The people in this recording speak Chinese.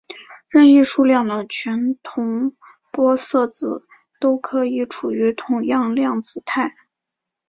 任意数量的全同玻色子都可以处于同样量子态。